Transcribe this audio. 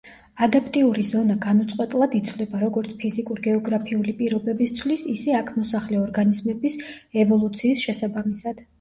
ადაპტიური ზონა განუწყვეტლად იცვლება როგორც ფიზიკურ-გეოგრაფიული პირობების ცვლის, ისე აქ მოსახლე ორგანიზმების ევოლუციის შესაბამისად.